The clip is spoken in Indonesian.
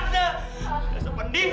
t dewi penipu